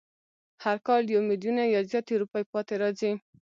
هر کال یو میلیونه یا زیاتې روپۍ پاتې راځي.